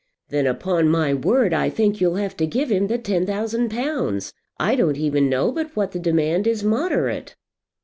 "Then, upon my word, I think you'll have to give him the ten thousand pounds. I don't even know but what the demand is moderate."